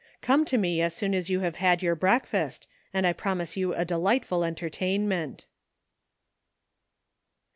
Come to me as soon as you have had your breakfast, and I promise you a delightful entertainment."